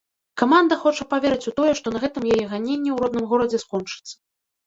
Каманда хоча паверыць у тое, што на гэтым яе ганенні ў родным горадзе скончацца.